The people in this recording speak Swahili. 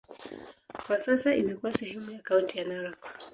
Kwa sasa imekuwa sehemu ya kaunti ya Narok.